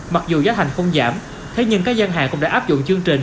mặc dù giá thành không giảm thế nhưng các gian hàng cũng đã áp dụng chương trình